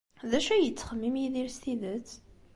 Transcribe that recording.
D acu ay yettxemmim Yidir s tidet?